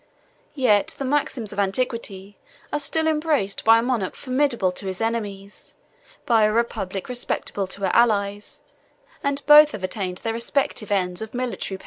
Yet the maxims of antiquity are still embraced by a monarch formidable to his enemies; by a republic respectable to her allies; and both have attained their respective ends of military power and domestic tranquillity.